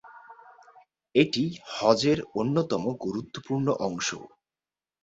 এটি হজের অন্যতম গুরুত্বপূর্ণ অংশ।